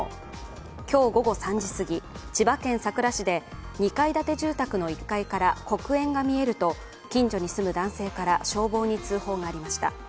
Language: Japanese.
今日午後３時過ぎ、千葉県佐倉市で２階建て住宅の１階から黒煙が見えると近所に住む男性から消防に通報がありました。